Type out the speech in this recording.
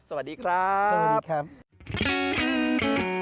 สวัสดีครับสวัสดีครับสวัสดีครับ